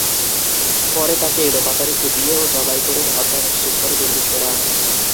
পরে তাঁকে এলোপাতাড়ি কুপিয়ে ও জবাই করে হত্যা নিশ্চিত করে দুর্বৃত্তরা।